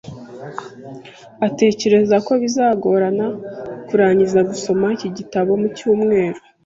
Utekereza ko bizagorana kurangiza gusoma iki gitabo mucyumweru?